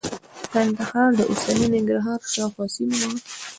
ګندهارا د اوسني ننګرهار شاوخوا سیمه وه